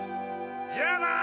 じゃあな！